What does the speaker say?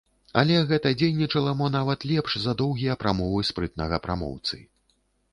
Але гэта дзейнічала мо нават лепш за доўгія прамовы спрытнага прамоўцы.